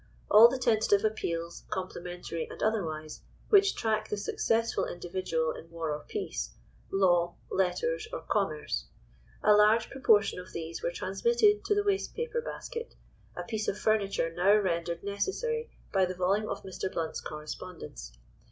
All the tentative appeals, complimentary and otherwise, which track the successful individual in war or peace, law, letters, or commerce. A large proportion of these were transmitted to the waste paper basket—a piece of furniture now rendered necessary by the volume of Mr. Blount's correspondence.